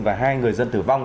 và hai người dân tử vong